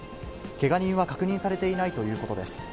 けが人は確認されていないということです。